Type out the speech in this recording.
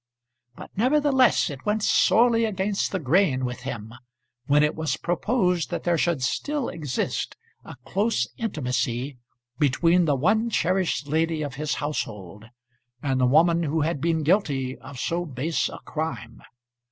But, nevertheless, it went sorely against the grain with him when it was proposed that there should still exist a close intimacy between the one cherished lady of his household and the woman who had been guilty of so base a crime.